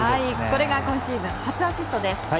これが今シーズン初アシストです。